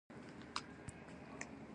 د دېوال په څنډه کې ولګاوه.